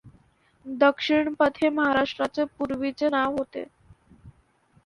दक्षिणपथ हे महाराष्ट्राचे पूर्वीचे नाव होते.